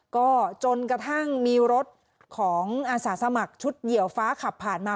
ก็จนกระทั่งมีรถของอาสาสมัครชุดเหยียวฟ้าขับผ่านมา